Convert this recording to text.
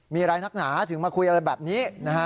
มีอะไรนักหนาถึงมาคุยอะไรแบบนี้นะฮะ